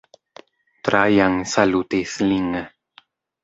Trajan salutis lin.